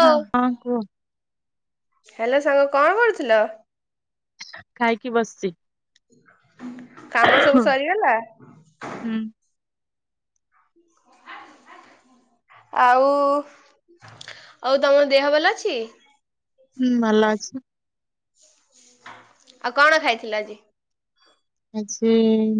ହଁ ହଁ କୁହ। ହାଲୋ ସାଙ୍ଗ କଣ କରୁଥିଲ। ଖାଇକି ବସିଛି କାମ ସବୁ ସରିଗଲା। ହୁଁ। ଆଉ ଆଉ ତମ ଦେହ ଭଲ ଅଛି। ହୁଁ ଭଲ ଅଛି। ଆଉ କଣ ଖାଇଥିଲ ଆଜି। ଆଜି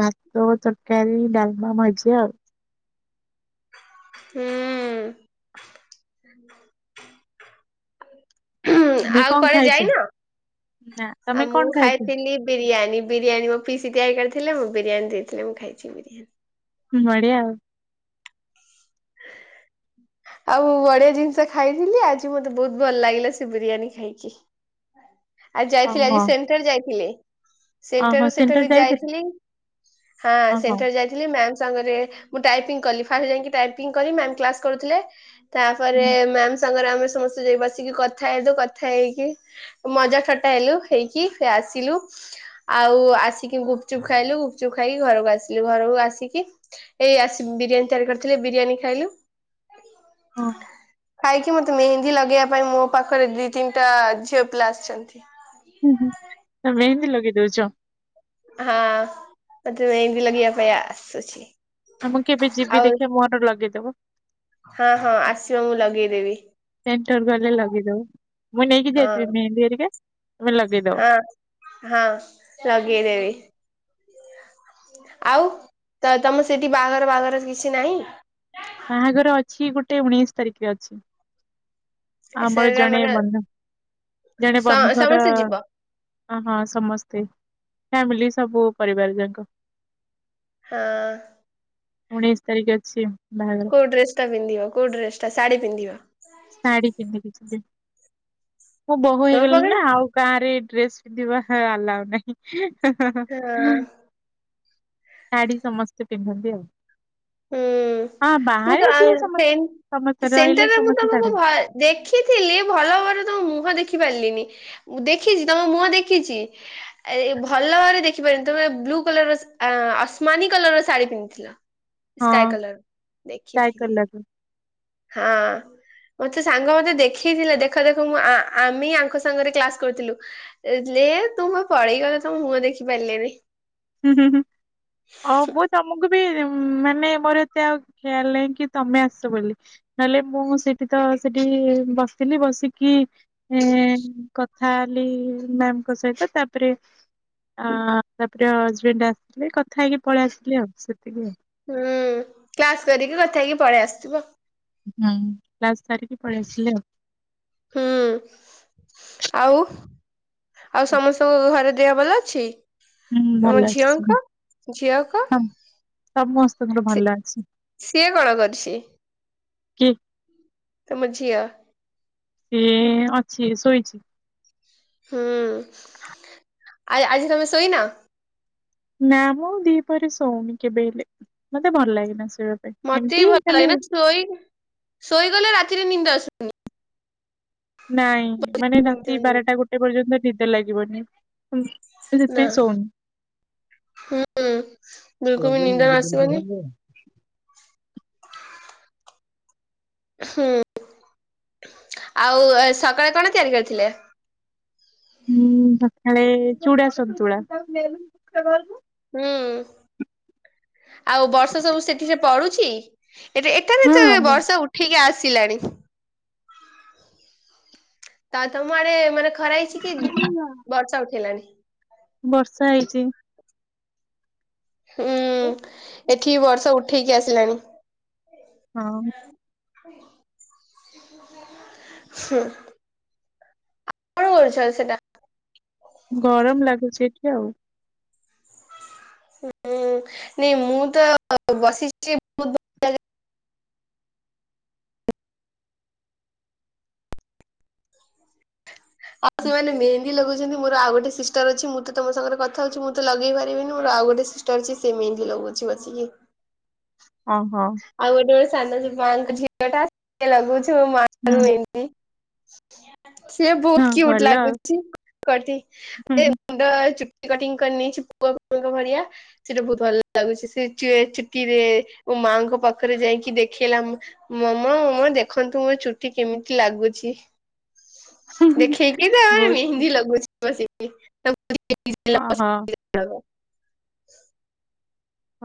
ଭାତ ତରକାରୀ ଡାଲମା ଭଜା ଆଉ। ହୁଁ। ତମେ ଆଉ କଣ କୁଆଡ଼େ ଖାଇଛ ଯାଇନ ନା ତମେ ଆଉ ମୁଁ କଣ ଖାଇଛ? ଖାଇଥିଲି ବିରିୟାନୀ ବିରିୟାନୀ ମୋ ଅଫିସ ତିଆରି କରିଥିଲେ ମୁଁ ବିରିୟାନୀ ଦେଇଥିଲେ ମୁଁ ଖାଇଛି ବିରିୟାନୀ। ବଢିଆ ଆଉ। ଆଉ ବଢିଆ ଜିନିଷ ଖାଇଥିଲି ଆଜି ମତେ ବହୁତ ଭଲ ଲାଗିଲା ସେ ବିରିୟାନୀ ଖାଇକି। ଆଜି ଯାଇଥିଲି ଓହୋ ଆଜି ସେଣ୍ଟର ଯାଇଥିଲି। ଓହୋ ସେଣ୍ଟର ସେଠାରେ ଯାଇଥିଲ ଯାଇଥିଲି ହାଁ ଓହୋ। ସେଣ୍ଟର ଯାଇଥିଲି ମ୍ୟାମ। ସାଙ୍ଗରେ ମୁଁ ଟାଇପିଙ୍ଗ କଲି ମ୍ୟାମ କ୍ଲାସ କରୁଥିଲେ। ତାପରେ ମ୍ୟାମ। ସାଙ୍ଗରେ ଆମେ ସମସ୍ତେ ଯାଇ ବସିକି କଥା ହେଇଦୁ କଥା ହେଇକି। ମଜା ଥଟା ହେଲୁ ହେଇକି ସେ ଆସିଲୁ ଆଉ ଆସିକି ଗୁପଚୁପ ଖାଇଲୁ ଗୁପଚୁପ ଖାଇକି ଘରକୁ ଆସିଲୁ ଘରକୁ ଆସିକି ଏଇ ଆସି ବିରିୟାନୀ ତିଆରି କରିଥିଲେ ବିରିୟାନୀ ଖାଇଲୁ। ହଁ। କି ମୋତେ ମେହେନ୍ଦୀ ଲଗେଇବା ପାଇଁ ମୋ ପାଖରେ ଦିଇ ତିନିଟା ଝିଅ। ପିଲା ଆସିଛନ୍ତି। ହୁଁ ହୁଁ। ତ ମେହେନ୍ଦୀ ଲଗେଇ ଦଉଛ। ହଁ ମତେ ମେହେନ୍ଦି ଲଗେଇବା ପାଇଁ ଆସୁଛି। ମୁଁ କେବେ ଯିବି ଆଉ ଦେଖିବା ମୋର ଲଗେଇ ଦବ। ହଁ ହଁ ଆସିବ ମୁଁ ଲଗେଇଦେବି। ସେଣ୍ଟର ଗଲେ ଲଗେଇଦବ ମୁଁ ନେଇକି ହଁ। ଯାଇଥିବି ମେହେନ୍ଦି ହେରିକା। ତମେ ଲଗେଇଦବ। ହଁ ହଁ ଲଗେଇଦେବି। ଆଉ ତ ତମ ସେଠି ବାହାଘର ବାହାଘର କିଛି ନାହିଁ। ବାହାଘର ଅଛି ଗୋଟେ ଉଣେଇଶି ତାରିଖରେ ଅଛି। ଆମର ସେଟା ଜଣେ ମାନେ ବନ୍ଧୁ ଜଣେ ସ ବନ୍ଧୁଙ୍କର ସମସ୍ତେ ଯିବ ହଁ ସମସ୍ତେ। ଫ୍ୟାମିଲି ସବୁ ପରିବାର ଯାକ ହଁ ଉଣେଇଶି ତାରିଖ ଅଛି ବାହାଘର। କୋଉ ଡ୍ରେସ ଟା ପିଧିବ କୋଉ ଡ୍ରେସ ଟା ଶାଢୀ ପିନ୍ଧିବ ଶାଢୀ ପିନ୍ଧିକି ଯିବି ମୁଁ ବୋହୂ ତମ ହେଇଗଲିଣି ପାଖରେ ନା ଆଉ ଗାଁ ରେ ଡ୍ରେସ୍ ପିନ୍ଧିବା ଅଲ୍ଲଉନାହିଁ ହ ହ ହ ହଁ ଶାଢୀ ସମସ୍ତେ ପିନ୍ଧନ୍ତି ଆଉ ହୁଁ ହଁ ମୁଁ ତ ବାହାରେ ଆଉ ଯିଏ ସମସ୍ତେ ସେନ୍ ସମସ୍ତେ ରହିଲେ ସେଣ୍ଟରରେ ମୁଁ ସମସ୍ତେ ତମକୁ ଶାଢ଼ୀ ଦେଖିଥିଲି ଭଲ ଭାବରେ ତମ ମୁହଁ ଦେଖି ଦେଖପାରିଲିନି ଦେଖିଛି ତମେ ମୁହଁ ଦେଖିଛି ଭଲ ଭାବରେ ଦେଖିପାରିନି ତମେ ବ୍ଲୁ କଲର ଅସମନି କଲର ର ଶାଢୀ ପିନ୍ଧିଥିଲ ହଁ ସ୍କାଏ କଲର ଟ୍ରାଏ ଦେଖିଥିଲେି କଲାଠୁ ହଁ ମତେ ସାଙ୍ଗ ମତେ ଦେଖେଇଥିଲେ ଦେଖ ଦେଖ ମୁଁ ଆମେ ଆଙ୍କ ସାଙ୍ଗରେ କ୍ଲାସ କରୁଥିଲୁ ତୁ ପଢେଇଗଲେ ତମ ମୁହଁ ଦେଖି ପାରିଲେନି ହୁଁ ହୁଁ ହୁଁ ଅ ବୋଉ ତମକୁ ମାନେ ମୋର ଏତେ ଆଉ ଖଆଲ ନାହିଁ କି ତମେ ଆସ ବୋଲି ନହେଲେ ମୁଁ ସେଠି ତ ସେଠି ବସିଲି ବସିକି କଥା ହେଲି ମ୍ୟାାମଙ୍କ ସହିତ ତାପରେ ଆ ପୁରା ହଜବେଣ୍ଡ ଆସିଥିଲେ କଥା ହେଇକି ପଳେଇ ଆସିଲି ଆଉ ସେତିକି ହୁଁ କ୍ଲାସ କରିକି କଥା ହେଇକି ପଳେଇ ଆସଥିବ। ହୁଁ। କ୍ଲାସ ସାରିକି ପଳେଇ ଆସିଲେ ହୁଁ ଆଉ। ଆଉ ସମସ୍ତଙ୍କ ଘରେ ଦେହ ଭଲ ଅଛି? ହୁଁ ଭଲ ତମ ଝିଅଙ୍କ ଝିଅଙ୍କ? ସମ ସି ସିଏ କଣ କରୁଛି? କିଏ? ତମ ଝିଅ? ସେ ଅଛି ଶୋଇଛି। ହୁଁ। ଆ ଆଜି ତମେ ଶୋଇନ? ନା ମୁଁ ଦିପହ ରେ ଶୋଉନ କେବେହେଲେ ମତେ ଭଲ ଲାଗେନା। ଶୋଇବା ପାଇଁ ମତେ ଏମିତି ବି ଭଲ ଖାଲି ଲାଗେ ନା ଶୋଇ ଶୋଇଗଲେ ରା ତିରେ ନିଦ ଆସୁନି। ନାଇଁ ମାନେ ରାତି ବାରଟା ଗୋଟେ ପର୍ଯ୍ୟନ୍ତ ନିଦ ଲାଗିବନି। ନା ସେଥିପାଇଁ ଶୋଉନି। ହୁଁ ବିଲକୁଲ ବି ନିଦ ନ ଆସିବନି। ହୁଁ ଆଉ ସକାଳେ କଣ ତିଆରି କରିଥିଲେ? ହୁଁ ସକାଳେ ଚୁଡା ସନ୍ତୁଳା। ହୁଁ। ଆଉ ବର୍ଷ ସବୁ ସେଠି ରେ ପଡୁଚି? ଏଠି ଏଟା ବି ତ ଏବେ ହଁ ବର୍ଷା ଉଠିକି ଆସ ଆସିଲାଣି। ତା ତମ ଆଡେ ମାନେ ଖରା ହେଇଛି କି ବର୍ଷା ଉଠେଇଲାଣି? [inaudible] ବର୍ଷା ହେଇଚି। ହୁଁ ଏଠି ବର୍ଷା ଉ ଠେଇକି ଆସିଲାଣି। ହଁ। ହୁଁ। କଣ କରୁଛ ସେଟା? ଗରମ ଲାଗୁଛି ଏଠି ଆଉ। ହୁଁ ନାଇଁ ମୁଁ ତ ବସିଛି ବହୁତ ଭଲରେ। [unintelligible] ଆଉ ସେମାନେ ମେନ୍ ମେହେନ୍ଦି ଲଗଉଛନ୍ତି। ମୋର ଆଉ ଗୋଟେ ସିଷ୍ଟର ଅଛି ମୁଁ ତ ତମ ସାଙ୍ଗରେ କଥା ହଉଛି ମୁଁ ତ ଲଗେଇ ପାରିବିନି ମୋର ଆଉ ଗୋଟେ ସିଷ୍ଟର ଅଛି ସେ ମେହେନ୍ଦୀ ଲଗଉଛି ବସିକି। [inaudible] ହ ହଁ। ଆଉ ଗୋଟେ ଗୋଟେ ସାନ ମା ଙ୍କ ଝିଅ ଟା ଲଗଉଛି। ମା ମୋର ହୁଁ ଏତି [inaudible] ସିଏ ହଁ ବହୁତ କ୍ୟୁଟ ଭଲ ଆଉ ଲାଗୁଛି ଲୋକଟି ହୁଁ ଏ ମୁଣ୍ଡ ଚୁ କଟିଙ୍ଗ କରି ନେଇେଛି ପୁଅ ପୁଅଙ୍କ ଭଳିଆ ସେଇଟା ବହୁତ ଭଲ ଲାଗୁଛି ସେ ଚୁଟି ରେ ମୋ ମାଆଙ୍କ ପାଖରେ ଯାଇକି ଦେଖେଇଲା ମମ ମମ ଦେଖନ୍ତୁ ମୋର ଚୁଟି କେମିତି ଲାଗୁଛି? ହୁଁ ଦେଖେଇକି ତା ବହୁତ ମେହେନ୍ଦି ଲଗଉଛି। ବସିକି ଓହୋ [unintelligible] [inaudible]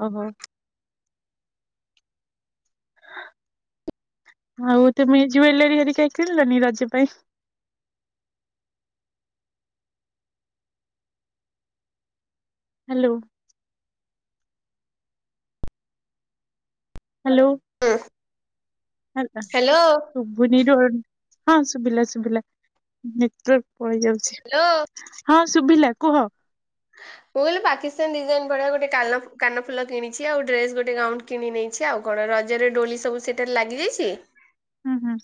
ଓ ହୋ। ଆଉ ତମେ ଜୁଏଲରୀ ହରିକା କିଣିଲଣି ରଜ ପାଇଁ? ହ୍ୟାଲୋ। ହ୍ୟାଲୋ ହଁ। ହେଲା ସୁୁୁଭୁନି ର ହଁ ଶୁଭିଲା ଶୁଭିଲା ନେଟୱର୍କ୍ ପଳେଇ ଯାଉଛି ହଁ ଶୁଭିଲା କୁହ? ମୁ କହିଲି ପାକିସ୍ତାନ ଡିଜାଇନ ଭଳିଆ ଗୋଟେ କାନ କାନଫୁଲ କିଣିଛି ଆଉ ଡ୍ରେସ ଗୋଟେ ଗାଉଣ୍ଟ କିଣି ନେଇଛି। ଆଉ କଣ ରଜରେ ଡୋଳି ସବୁ ସେଠାରେ ଲାଗିଯାଇଛି? ହୁଁ ହୁଁ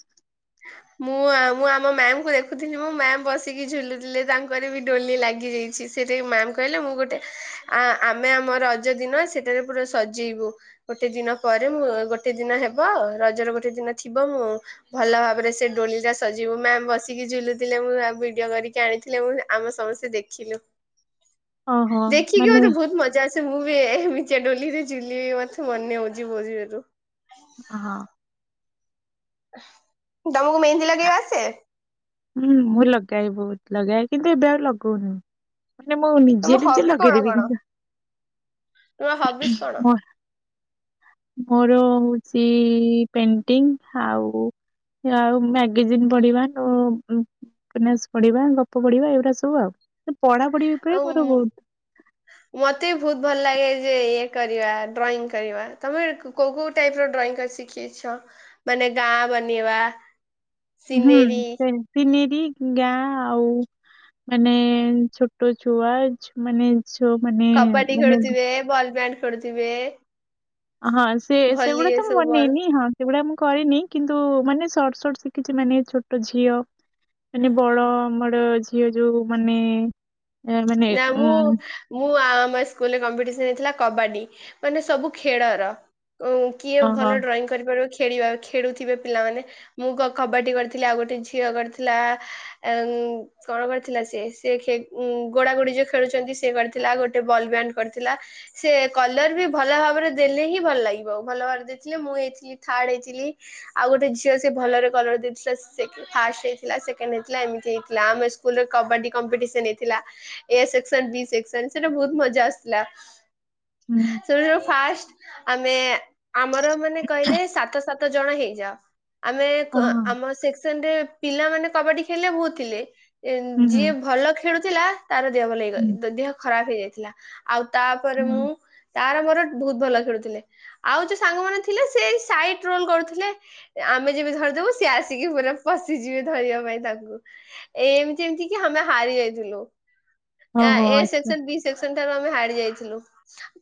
ମୁଁ ମୁଁ ଆମ ମ୍ୟାମ୍ ମୁଁ ଦେଖୁଥିଲି ମୋ ମ୍ୟାମ ବସିକି ଝୁଲୁଥିଲେ ତାଙ୍କର ବି ଡୋୋଲି ଲାଗିଯାଇଛି ସେ ତେ ମ୍ୟାମ୍ କହିଲେ ମୁଁ ଗୋଟେ ଆ ଆମେ ଆମ ରଜ ଦିନ ସେଟାରେ ପୁରା ସଜେଇବୁ ଗୋଟେ ଦିନ ପରେ ମୁ ଗୋଟେ ଦିନ ହେବ ଆଉ ରଜର ଗୋଟେ ଦିନ ଥିବ ମୁଁ ଭଲ ଭାବରେ ସେ ଡୋଳି ଟା ସଜେଇବୁ ମ୍ୟାମ୍ ବସିକି ଝୁଲୁଥିଲେ ମୁ ଭିଡିଓ କରିକି ଆଣିଥିଲେ ଆମେ ସମସ୍ତେ ଦେଖିଲୁ। ଓହୋ ଦେଖିକି ମାନେ ମତେ ବହୁତ ମଜା ଆସେ ମୁଁ ବି ଏମିତି ଚେ ଡୋଲିରେ ଝୁଲିବାକୁ ମତେ ମନେ ହଉଛି ଭୋ [unintelligible] ହଁ। ତମକୁ ମେହେନ୍ଦି ଲଗେ଼ଇ ଆସେ? ହୁଁ ମୁଁ ଲଗାଏ ବହୁତ ଲଗାଏ କିନ୍ତୁ ଏବେ ଆଉ ଲଗଉନି। ମାନେ ମୁଁ ତମ ନିଜେ ନିଜେ ହବି କଣ ଲଗେଇଦେବି କଣ କିନ୍ତୁ ତୁମ ହବିସ୍ କଣ? ମୋର ହଉଛି ପେଣ୍ଟିଙ୍ଗ ଆଉ ଆଉ ମାଗାଜିନ୍ ପଢିବା ଆଉ [unintelligible] ପଢିବା ଗପ ପଢିବା ଏଗୁଡା ସବୁ ଆଉ। ପଢାପଢି ଉପରେ ମୋର ଆଉ ବହୁତ ମତେ ବି ବହୁତ ଭଲ ଲାଗେ ଯେ ଇଏ କରିବା ଡ୍ରଇଂ କରିବା ତମେ କ୍ କୋଉ କୋଉ ଟାଇପ ର ଡ୍ରଇଂ ଶିଖିଛ ମାନେ ଗାଁ ବନେଇବା? ହୁଁ ସିନେରୀ ସେ ପିନିରି ଗାଁ ଆଉ ମାନେ ଛୋଟ ଛୁଆ ମାନେ ଯୋଉମାନେ ମାନେ କରୁଥିବେ ହଁ ସେ ସେଗୁଡା ତ ମୁଁ ବଲ ବନେଇନି ହଁ ସେଗୁଡା ମୁଁ କରିନି। କିନ୍ତୁ ମାନେ ସଟ ସଟ ଶିଖିଛି ମାନେ ଛୋଟ ଝିଅ ମାନେ ବଡ ଆମର ଝିଅ ଯୋଉ ମାନେ ଏ ମାନେ ନା ମୁଁ ଉଁ ମୁଁ ଆଁ। ମୋ ସ୍କୁଲରେ କମ୍ପିଟିସନ୍ ହେଇଥିଲା କବାଡ଼ି ମାନେ ସବୁ ଖେଳର ଉମ୍ କିଏ ଓହୋ ଭଲ ଡ୍ରଇଂ କରିପାରିବ କି? ଖେଳିବା ଖେଳୁଥିବେ ପିଲାମାନେ ମୁଁ କ କବାଡ଼ି କରିଥିଲି ଆଉ ଗୋଟେ ଝିଅ କରିଥିଲା ଅମ୍ କଣ କରିଥିଲା ସେ ସେ ଖେ ଉମ୍ ଗୋଡ଼ା ଗୋଡି ଯୋଉ ଖେଳୁଛନ୍ତି ସେ କରିଥିଲା ଗୋଟେ ବଲ୍ ବ୍ୟାଣ୍ଡ କରିଥିଲା ସେ କଲର ବି ଭଲ ଭାବରେ ଦେଲେ ହିଁ ଭଲ ଲାଗିବ ଭଲ ଭାବରେ ଦେଇଥିଲେ ମୁଁ ହେଇଥିଲି ଥାର୍ଡ ହେଇଥିଲି ଆଉ ଗୋଟେ ଝିଅ ସେ ଭଲରେ କଲର ଦେଇଥିଲା ସେ ସେକେ ଫାଷ୍ଟ ହେଇଥିଲା ସେକେଣ୍ଡ ହେଇଥିଲା ଏମିତି ହେଇଥିଲା ଆମ ସ୍କୁଲରେ କବାଡ଼ି କମ୍ପିଟିସନ ହେଇଥିଲା। ଏ ସେକ୍ସନ ବି ସେକ୍ସନ ସେଟା ବହୁତ ମଜା ଆସୁଥିଲା। ହୁଁ ସେମାନଙ୍କର ଫାଷ୍ଟ ଆମେ ଆମର ମାନେ କହିଲେ ସାତ ସାତ ଜଣ ହେଇଯାଅ ଆମେ କ ଓହୋ ଆମ ସେକ୍ସନ ରେ ପିଲାମାନୋନେ କବାଡି ଖେଳିଲେ ମୁଁ ଥିଲେ। ଉମ୍ ହୁଁ ହୁଁ ଯିଏ ଭଲ ଖେଳୁଥିଲା। ତାର ଦେହ ଭଲ ହୁଁ ହେଇଗ ଦେହ ଖରାପ ହେଇଯାଇଥିଲା ଆଉ ତାପରେ ହଁ, ମୁଁ ତାର ମୋର ବହୁତ ଭଲ ଖେଳୁଥିଲେ ଆଉ ଯୋଉ ସାଙ୍ଗ ମାନ ଥିଲେ ସେ ସାଇଟ ରୋଲ କରୁଥିଲେ ଆମେ ଯେମି ଧରିଦବୁ ସି ଆସିକି ପ ପଶିଯିବେ ଧରିବା ପାଇଁ ତାଙ୍କୁ ଏମିତି ଏମିତି କି ଆମେ ହାରି ଯାଇଥିଲୁ। ଓହୋ ଏ ଆଚ୍ଛା ସେକ୍ସନ ବି ସେକ୍ସନ ଠାରୁ ଆମେ ହାର ଯାଇଛୁ। ଥିଲୁ।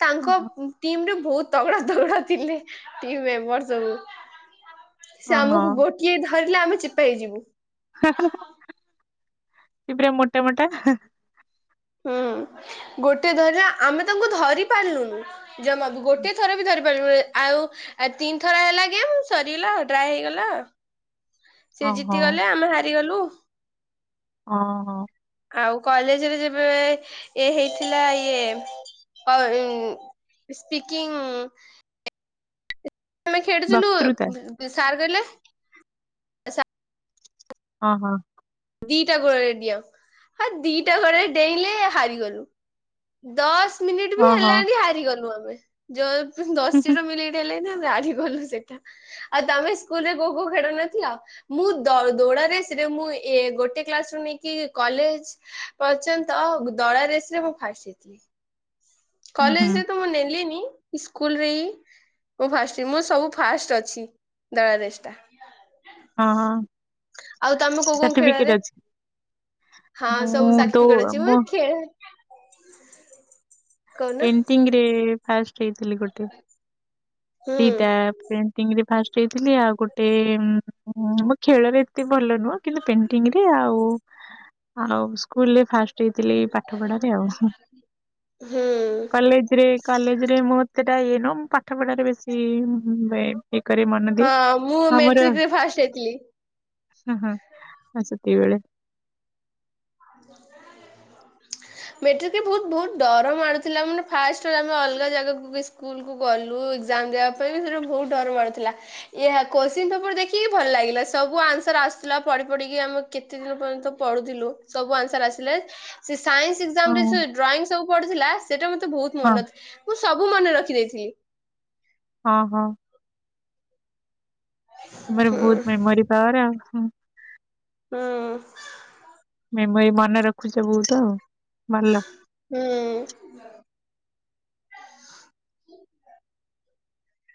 ତାଙ୍କ ଓହୋ ଟିମ ରେ ବହୁତ ତଗଡା ତଗଡା ଥିଲେ ଟି ମେମ୍ବର ସବୁ। ସେ ଆମକୁ ଓହୋ ଗୋଟିଏ ଧରିଲେ ଆମେ ଚିପା ହେଇଯିବୁ। ହୁଁ ହୁଁ ହୁଁ। ପୁରା ମୋଟା ମୋଟା ହୁଁ ଗୋଟେ ଧର ଆମେ ତାଙ୍କୁ ଧରି ପାରିଲୁନୁ ଜମା ଗୋଟେ ଥର ବି ଧର ଆଉ ତିନି ଥର ହେଲା ଗ ସରିଗଲା ଡ୍ରାଏ ହେଇଗଲା। ସେ ଓହୋ ଜିତିଗଲେ ଆମେ ହାରିଗଲୁ। ହଁ ହଁ। ଆଉ କଲେଜରେ ଯେବେ ଇ ହେଇଥିଲା ଇଏ ସ୍ପିକିଂ ଆମେ ଖେଳିୁଥିଲୁ ବକ୍ତୃତା ସାରା ଆଲେ ହଁ ହଁ ଦିଟା ଗୋଡ଼ରେ ଡିଅ ଆଉ ଦିଟା ଗୋଡ଼ରେ ଡେଇଁଲେ ହାରିଗଲୁ ଦଶ ହ ହଁ ଯଉ ଦଶଟି ଟା ମିଲେଇଟ ହେଲେ ନା ଗଲୁ ସେଇଟା ଆଉ ତମେ ସ୍କୁଲରେ ଖୋ ଖୋ ଖେଳୁନଥିଲ ମୁଁ ଦୌଡରେ ସେଟ ମୁ ଏ ଗୋଟେ କ୍ଲାସ ରୁ ନେଇକି କଲେଜ ପର୍ଯ୍ୟନ୍ତ ଦଳା ରେସରେ ମୁଁ ଫାଷ୍ଟ ହେଇଥିଲି ହୁଁ ହୁଁ କଲେଜରେ ତ ମୁଁ ନେଲିନି ସ୍କୁଲରେ ହ ଫଷ୍ଟ ମୁଁ ସବୁ ଫାଷ୍ଟ ଅଛି ଦଳା ଦେଶ ଟା ହଁ ହଁ ଆଉ ତମେ କୋଉ କୋଉ ସାର୍ଟିଫିକେଟ ଖେଳରେ ଅଛି ହଁ ମୁଁ ଦୋ ସବୁଟିେଟ ମୁଁ ଅଛି ଖେ କହୁନ ଏନ୍ତିଙ୍ଗରେ ଆ ସେଇଥିଲଲି ଗୋଟେ ହୁଁ। ଦିଇଟା ପ୍ରଣ୍ଟିଂରେ ଭାଷ ଥିଲି ଆଉ ଗୋଟେ ମୋ ଖେଳରେ ଏତେ ଭଲ କିନ୍ତୁ ପେଣ୍ଟିଙ୍କ ରେ ଆଉ ହେଲୋ ଆଉ ସ୍କୁଲ୍ ରେ ଫାଷ୍ଟ ହେଇଥଲି ପାଠ ପଢା ରେ ଆଉ ହୁଁ କଲେଜ ରେ ମତେ ାନ ପାଠ ପଢ଼ାରେ ବେଶ ସେ ଭାଇ ହଁ ମୁଁ ମେଟ୍ରିକ ରେ ଫାଷ୍ଟ ହେଇଥିଲି ହ ହଁ ଆ ସତିବେଳେ ମଟ୍ରିକରେ ବ ବହୁ ଡର ମଡୁଥିଲା ମାନେ ଫାଷ୍ଟ ଆମେ ଅଲଗା ଜାଗାକୁ ସ୍ଲ କ ଗଲୁବା ପାଇଁ ସେ ବହୁତ ଡର ମଡୁଥିଲା କୋି ପେପର ଦେଖିକି ଭଲ ଲାଗିଲା ସବୁ ଆନ୍ସର ଆସୁଥିଲା ପ ପଢିକି ଆମେ କେତେ ଦିନ ପର୍ଯ୍ୟନ୍ତ ପଢୁଥିଲୁ ସବୁ ଆନ୍ସର ଆସିଲେ ସାଇନ୍ସ ହଁ ଏକ୍ସଜାମରେ ଡ୍ରାଇଂ ସବୁ ପୁଥିଲା ସେଇଟାେ ବହୁତ ହଁ ମନ ଅ ସବୁ ମନେ ରଖି ଦେଇେଇଥିଲି ହଁ ହଁ ତମର ହୁଁ ବହୁତ ମେମୋରି ପାୱାର ଆଉ ହୁଁ ହୁଁ ମେମୋରି ମନେ ରଖୁଛ ବହୁତ ଆଉ ଭଲ। ହୁଁ